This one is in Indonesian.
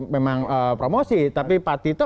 memang promosi tapi pak tito